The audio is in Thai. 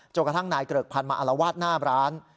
กระทั่งนายเกริกพันธ์มาอารวาสหน้าร้าน